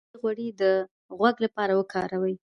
د هوږې غوړي د غوږ لپاره وکاروئ